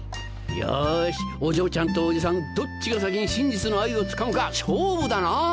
よしお嬢ちゃんとおじさんどっちが先に真実の愛をつかむか勝負だな！